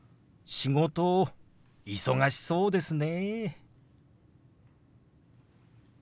「仕事忙しそうですね」。